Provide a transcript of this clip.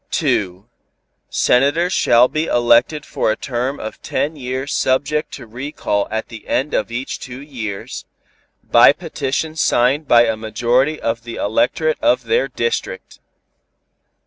2. Senators shall be elected for a term of ten years subject to recall at the end of each two years, by petition signed by a majority of the electorate of their district.